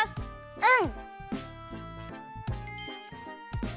うん。